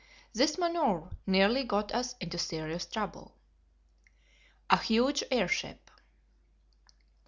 This manoeuvre nearly got us into serious trouble. A Huge Airship.